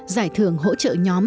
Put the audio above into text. giải thưởng hỗ trợ nhóm